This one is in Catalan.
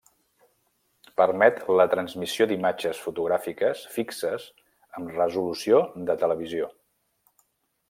Permet la transmissió d'imatges fotogràfiques fixes amb resolució de televisió.